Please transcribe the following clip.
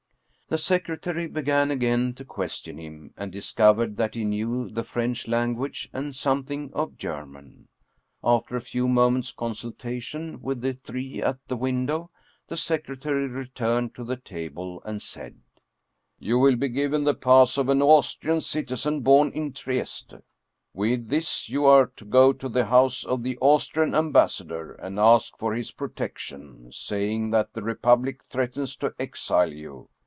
The secretary began again to question him, and dis covered that he knew the French language and something of German. After a few moments' consultation with the three at the window, the secretary returned to the table and said: "You will be given the pass of an Austrian citizen born in Trieste. With this you are to go to the house of the Austrian ambassador, and ask for his pro tection, saying that the Republic threatens to exile you.